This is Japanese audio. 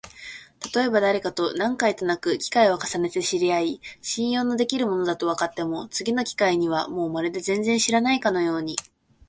たとえばだれかと何回となく機会を重ねて知り合い、信用のできる者だとわかっても、次の機会にはもうまるで全然知らないかのように、